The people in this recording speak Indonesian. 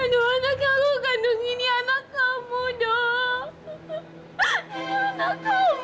aduh anak yang aku kandung ini anak kamu dong